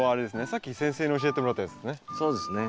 さっき先生に教えてもらったやつですね。